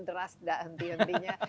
deras tidak henti hentinya